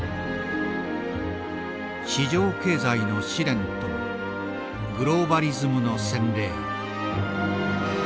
市場経済の試練とグローバリズムの洗礼。